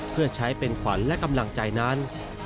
เพื่อใช้เป็นขวัญและกำลังใจนั้น